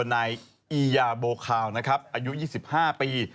นายอียาโบคาวนะครับอายุ๒๕ปี